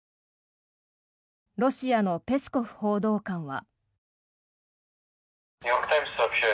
ロシアのペスコフ報道官は。